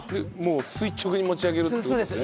垂直に持ち上げるって事ですね。